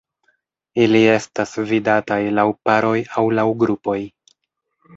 Ili estas vidataj laŭ paroj aŭ laŭ grupoj.